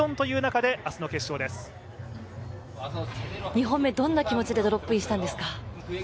２本目、どんな気持ちでドロップインしたんですか。